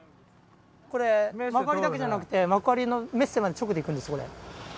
これ幕張だけじゃなくて幕張のメッセまで直で行くんです。